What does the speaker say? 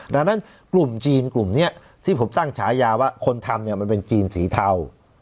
ดังนั้นกลุ่มจีนกลุ่มนี้ที่ผมตั้งฉายาว่าคนทำมันเป็นจีนสีเทา